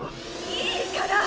いいから！